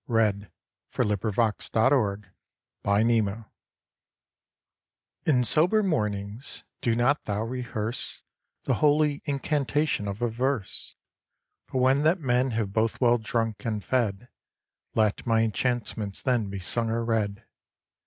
WHEN HE WOULD HAVE HIS VERSES READ In sober mornings, do not thou rehearse The holy incantation of a verse; But when that men have both well drunk, and fed, Let my enchantments then be sung or read.